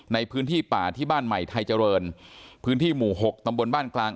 ในพื้นที่ป่าที่บ้านใหม่ไทยเจริญพื้นที่หมู่หกตำบลบ้านกลาง